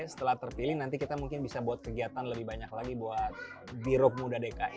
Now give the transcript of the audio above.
setelah terpilih nanti kita mungkin bisa buat kegiatan lebih banyak lagi buat biro muda dki